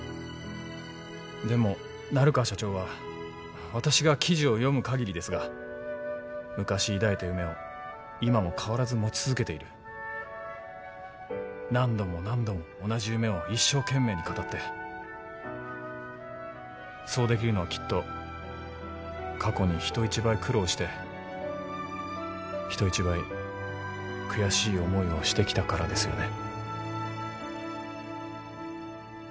でも成川社長は私が記事を読むかぎりですが昔抱いた夢を今も変わらず持ち続けている何度も何度も同じ夢を一生懸命に語ってそうできるのはきっと過去に人一倍苦労して人一倍悔しい思いをしてきたからですよね